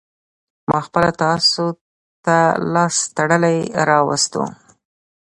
ما خپله تاسو ته لاس تړلى راوستو.